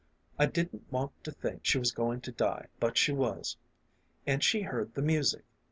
I didn't want to think she was goin' to die, but she was. An' she heard the music.